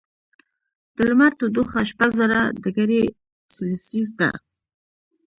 د لمر تودوخه شپږ زره ډګري سیلسیس ده.